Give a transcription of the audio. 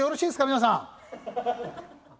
皆さん。